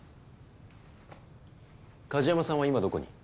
梶山さんは今どこに？